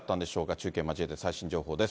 中継、交えて最新情報です。